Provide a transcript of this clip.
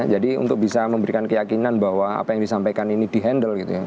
jadi untuk bisa memberikan keyakinan bahwa apa yang disampaikan ini di handle gitu ya